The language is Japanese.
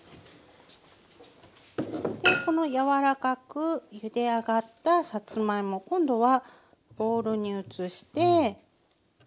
この柔らかくゆで上がったさつまいも今度はボウルに移して。